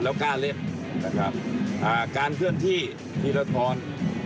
แล้วกล้าเล่นการเพื่อนที่ทีละทอน